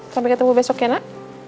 sampai ketemu besok ya nak